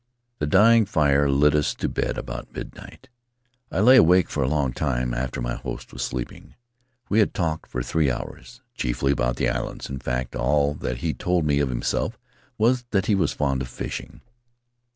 The dying fire lit us to bed about midnight. I lay awake for a long time after my host was sleeping. We had talked for three hours, chiefly about the islands. In fact, all that he told me of himself was that he was fond of fishing.